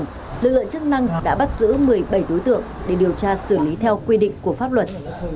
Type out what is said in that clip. tuy nhiên lực lượng chức năng đã bắt giữ một mươi bảy đối tượng để điều tra xử lý theo quy định của pháp luật